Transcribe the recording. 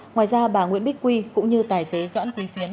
ngoài ra bà nguyễn bích quy cũng như tài giới doãn quy tiến